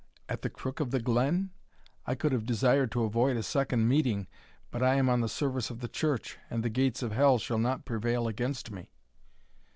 At the crook of the glen? I could have desired to avoid a second meeting, but I am on the service of the Church, and the gates of hell shall not prevail against me."